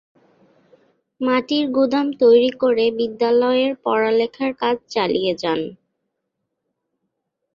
মাটির গুদাম তৈরী করে বিদ্যালয়ের পড়ালেখার কাজ চালিয়ে যান।